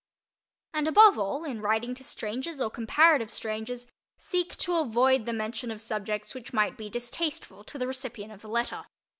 And above all, in writing to strangers or comparative strangers, seek to avoid the mention of subjects which might be distasteful to the recipient of the letter.